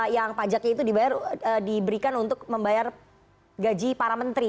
yang pajaknya itu diberikan untuk membayar gaji para menteri